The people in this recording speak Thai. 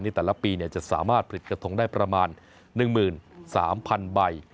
แต่ละปีจะสามารถผลิตกระทงได้ประมาณ๑๓๐๐๐ใบ